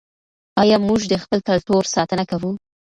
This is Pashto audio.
آیا موږ د خپل کلتور ساتنه کوو؟